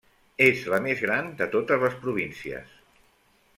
És la més gran de totes les províncies.